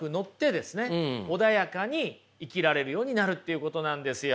穏やかに生きられるようになるということなんですよ。